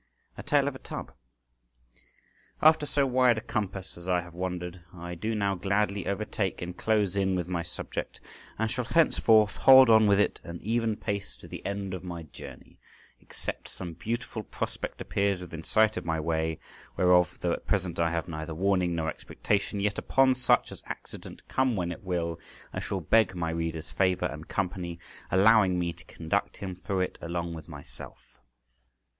A TALE OF A TUB. AFTER so wide a compass as I have wandered, I do now gladly overtake and close in with my subject, and shall henceforth hold on with it an even pace to the end of my journey, except some beautiful prospect appears within sight of my way, whereof, though at present I have neither warning nor expectation, yet upon such an accident, come when it will, I shall beg my reader's favour and company, allowing me to conduct him through it along with myself.